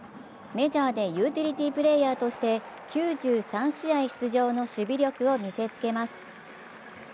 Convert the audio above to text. メジャーでユーティリティープレーヤーとして９３試合出場の守備力を見せつけます。